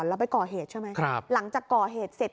พอหลังจากเกิดเหตุแล้วเจ้าหน้าที่ต้องไปพยายามเกลี้ยกล่อม